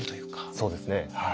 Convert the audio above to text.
そうですねはい。